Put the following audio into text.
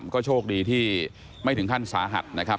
ก็โชคดีที่ไม่ถึงขั้นสาหัสนะครับ